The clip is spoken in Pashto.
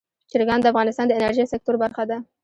چرګان د افغانستان د انرژۍ سکتور برخه ده.